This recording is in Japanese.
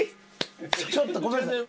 ちょっとごめんなさい。